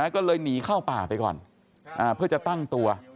ก็เลยหนีเข้าป่าไปก่อนเพื่อจะตั้งตัว